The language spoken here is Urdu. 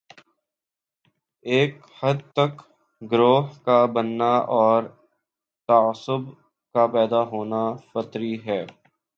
ایک حد تک گروہ کا بننا اور تعصب کا پیدا ہونا فطری ہے۔